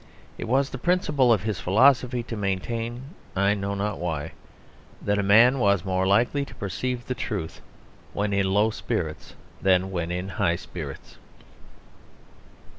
It was the principle of his philosophy to maintain (I know not why) that a man was more likely to perceive the truth when in low spirits than when in high spirits.